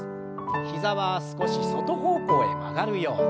膝は少し外方向へ曲がるように。